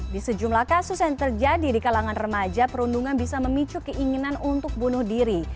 di sejumlah kasus yang terjadi di kalangan remaja perundungan bisa memicu keinginan untuk bunuh diri